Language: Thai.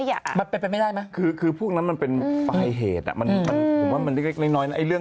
ทำให้แบบเหตุการณ์ตอนนี้ชะงักขึ้น